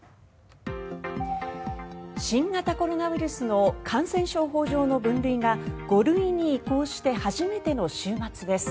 新型コロナウイルスの感染症法上の分類が５類に移行して初めての週末です。